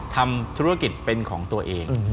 ทำธุรกิจเป็นของตัวเอง